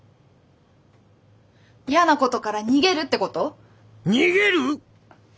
嫌なことから逃げるってこと？